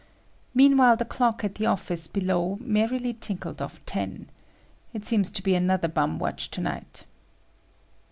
Meanwhile the clock at the office below merrily tinkled off ten. It seems to be another bum watch to night.